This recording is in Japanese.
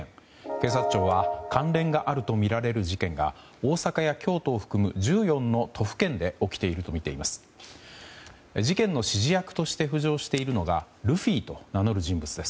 警察庁は関連があるとみられる事件が大阪や京都を含む１４の都府県で起きているとみています。